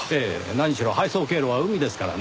何しろ配送経路は海ですからねぇ。